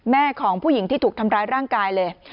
ของผู้หญิงที่ถูกทำร้ายร่างกายเลย